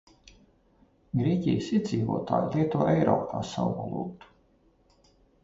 Grieķijas iedzīvotāji lieto eiro kā savu valūtu.